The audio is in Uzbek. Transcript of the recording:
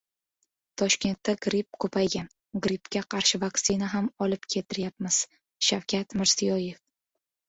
Toshkentda gripp ko‘paygan. Grippga qarshi vaksina ham olib keltiryapmiz - Shavkat Mirziyoyev